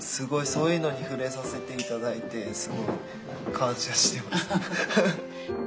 そういうのに触れさせて頂いてすごい感謝してます。